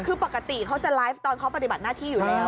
คือปกติเขาจะไลฟ์ตอนเขาปฏิบัติหน้าที่อยู่แล้ว